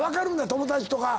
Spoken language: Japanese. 友達とか。